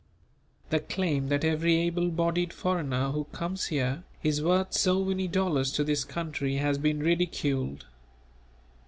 The claim that every able bodied foreigner who comes here is worth so many dollars to this country has been ridiculed.